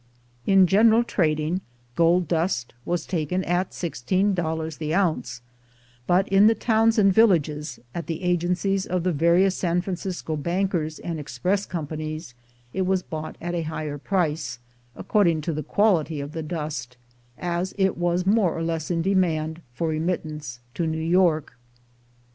In general trading, gold dust was taken at sixteen dollars the ounce; but in the towns and villages, at the agencies of the various San Francisco bankers and A BAND OF WANDERERS 247 express companies, it was bought at a higher price, according to the quality of the dust, and as it was more or less in demand for remittance to New York.